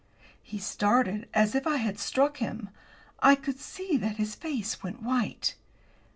He started as if I had struck him. I could see that his face went white.